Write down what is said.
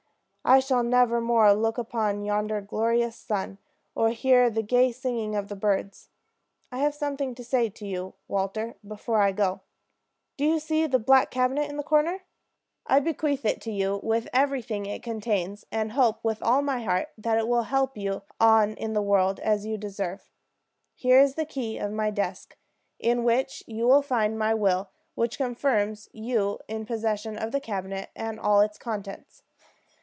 "I shall never more look upon yonder glorious sun, or hear the gay singing of the birds. I have something to say to you, Walter, before I go. Do you see that black cabinet in the corner? I bequeath it to you, with everything it contains, and hope with all my heart that it will help you on in the world as you deserve. Here is the key of my desk, in which you will find my will, which confirms you in the possession of the cabinet and all its contents.